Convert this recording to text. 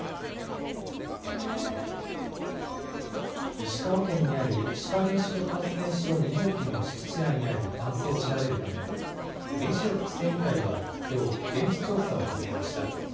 石川県にある志賀原子力発電所２号機の敷地内にある断層を調べるため原子力規制委員会は、きょう現地調査を始めました。